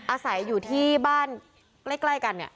อาศัยอยู่ที่บ้านใกล้กัน